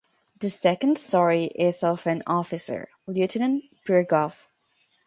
The second story is of an officer, Lieutenant Pirogov.